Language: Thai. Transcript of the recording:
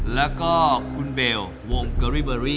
แล้วก็คุณเบลวงเกอรี่เบอรี่